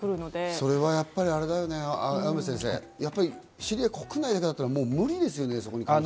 それはやっぱりあれだよね、シリア国内だけだったら、もう無理ですよね。